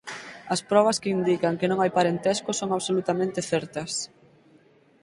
As probas que indican que non hai parentesco son absolutamente certas.